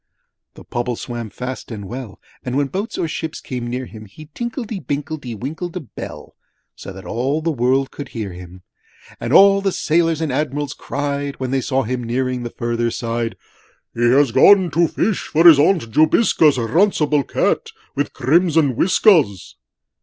III The Pobble swam fast and well And when boats or ships came near him He tinkedly binkledy winkled a bell So that all the world could hear him. And all the Sailors and Admirals cried, When they saw him nearing the further side, 'He has gone to fish, for his Aunt Jobiska's 'Runcible Cat with crimson whiskers!'